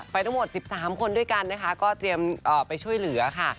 ทั้งหมด๑๓คนด้วยกันนะคะก็เตรียมไปช่วยเหลือค่ะ